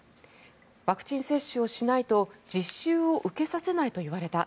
ワクチン接種をしないと実習を受けさせないと言われた。